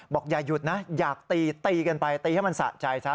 อย่าหยุดนะอยากตีตีกันไปตีให้มันสะใจซะ